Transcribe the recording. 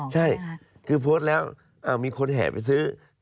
ใช่คือโพสต์แล้วมีคนแห่ไปซื้อ